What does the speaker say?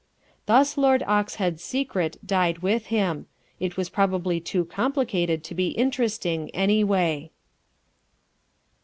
Thus Lord Oxhead's secret died with him. It was probably too complicated to be interesting anyway.